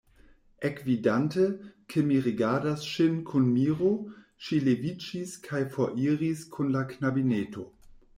Ekvidante, ke mi rigardas ŝin kun miro, ŝi leviĝis kaj foriris kun la knabineto.